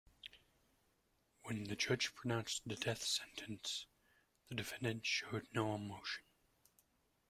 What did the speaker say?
When the judge pronounced the death sentence, the defendant showed no emotion.